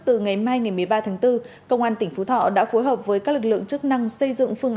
từ ngày mai ngày một mươi ba tháng bốn công an tỉnh phú thọ đã phối hợp với các lực lượng chức năng xây dựng phương